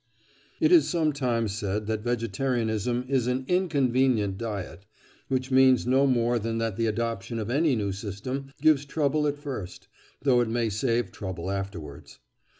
It is sometimes said that vegetarianism is an "inconvenient" diet, which means no more than that the adoption of any new system gives trouble at first, though it may save trouble afterwards.